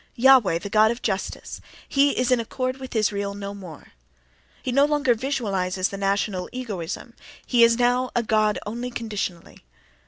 —Jahveh, the god of "justice"—he is in accord with Israel no more, he no longer vizualizes the national egoism; he is now a god only conditionally....